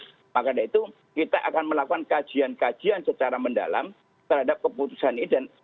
maka dari itu kita akan melakukan kajian kajian secara mendalam terhadap keputusan ini